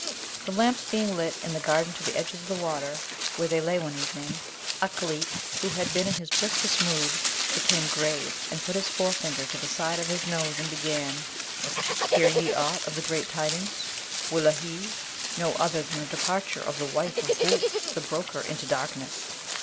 The lamps being lit in the garden to the edges of the water, where they lay one evening, Ukleet, who had been in his briskest mood, became grave, and put his forefinger to the side of his nose and began, 'Hear ye aught of the great tidings? Wullahy! no other than the departure of the wife of Boolp, the broker, into darkness.